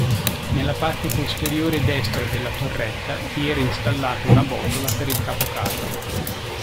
Nella parte posteriore destra della torretta vi era installata una botola per il capocarro.